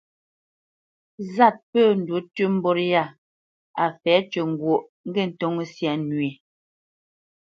Zât pə̂ ndǔ mbot yâ a fɛ̌ tʉ́ ŋgwóʼ, ŋgê ntóŋə́ syâ nwē.